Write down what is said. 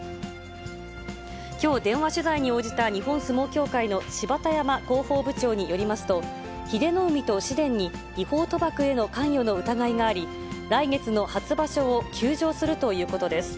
きょう、電話取材に応じた、日本相撲協会の芝田山広報部長によりますと、英乃海と紫雷に違法賭博への関与の疑いがあり、来月の初場所を休場するということです。